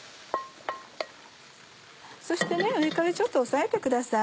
そしてね上からちょっと押さえてください。